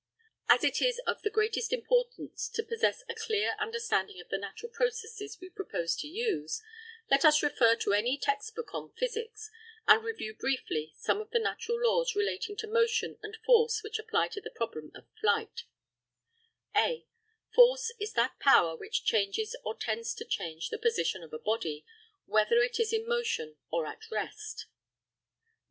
As it is of the greatest importance to possess a clear understanding of the natural processes we propose to use, let us refer to any text book on physics, and review briefly some of the natural laws relating to motion and force which apply to the problem of flight: (a) Force is that power which changes or tends to change the position of a body, whether it is in motion or at rest.